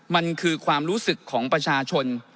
มันคือความรู้สึกของประชาชน